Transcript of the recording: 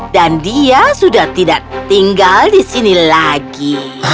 dan dia sudah tidak tinggal disini lagi